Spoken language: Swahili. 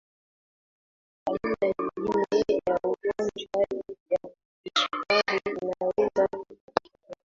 aina nyingine ya ugonjwa wa kisukari inaweza kutokea